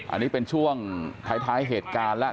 อันนี้เป็นช่วงท้ายเหตุการณ์แล้ว